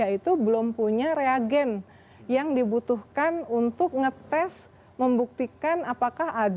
itu belum punya reagen yang dibutuhkan untuk ngetes membuktikan apakah ada